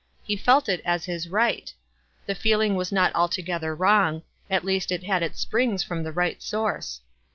He felt it as his right. The feeling was not altogether wrong — at least, it had its springs from the right source.